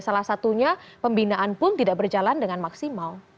salah satunya pembinaan pun tidak berjalan dengan maksimal